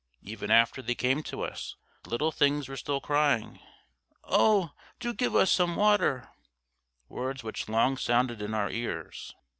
Even after they came to us the little things were still crying, "Oh! do give us some water" words which long sounded in our ears.